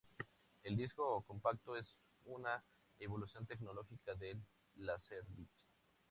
El disco compacto es una evolución tecnológica del Laserdisc.